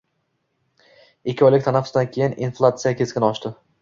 Ikki oylik tanaffusdan keyin inflyatsiya keskin oshdi